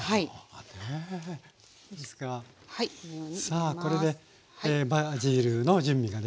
さあこれでバジルの準備ができました。